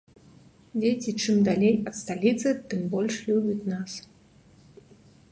Дзеці чым далей ад сталіцы, тым больш любяць нас.